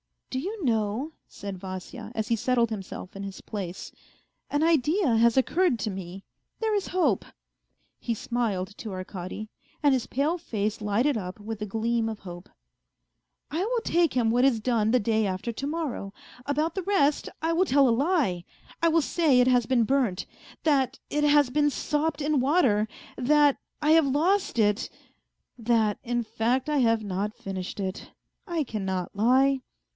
" Do you know," said Vasya, as he settled himself in his place, " an idea has occurred to me ? There is hope." He smiled to Arkady, and his pale face lighted up with a gleam of hope. 188 A FAINT HEART " I will take him what is done the day after to morrow. About the rest I will tell a lie. I will say it has been burnt, that it has been sopped in water, that I have lost it. ... That, in fact, I have not finished it ; I cannot lie.